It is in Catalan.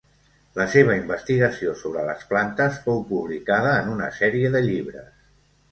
La seva investigació sobre les plantes fou publicada en una sèrie de llibres.